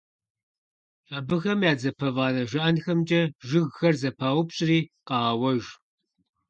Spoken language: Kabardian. Абыхэм я дзапэфӀанэ жанхэмкӀэ жыгхэр зэпаупщӀри къагъэуэж.